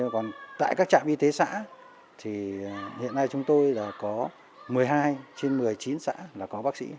còn tại các trạm y tế xã thì hiện nay chúng tôi là có một mươi hai trên một mươi chín xã là có bác sĩ